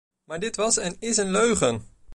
Maar dit was en is een leugen!